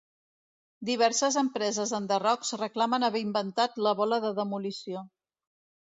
Diverses empreses d'enderrocs reclamen haver inventat la bola de demolició.